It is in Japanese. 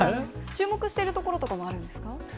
注目しているところというのはあるんですか？